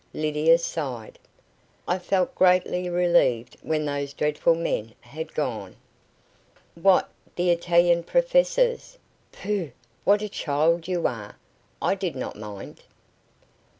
Lydia sighed. "I felt greatly relieved when those dreadful men had gone." "What, the Italian professors? Pooh! what a child you are. I did not mind."